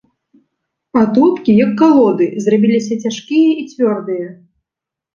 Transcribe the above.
Атопкі, як калоды, зрабіліся цяжкія і цвёрдыя.